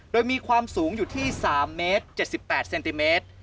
โดยมีความสูงอยู่ที่๓เมตร๗๘เซนติเมตร